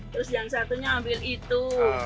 terus yang satunya ambil itu